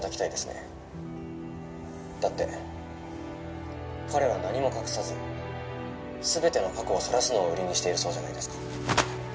「だって彼は何も隠さず全ての過去をさらすのを売りにしているそうじゃないですか」